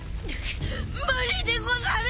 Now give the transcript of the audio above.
無理でござる！